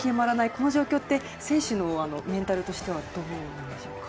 この状況って選手のメンタルとしてはどうなんでしょうか。